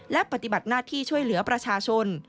และปฏิบัติหน้าที่ช่วยเหลือประชาชน